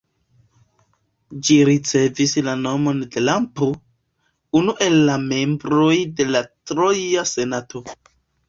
Ĝi ricevis la nomon de Lampo, unu el la membroj de la troja senato.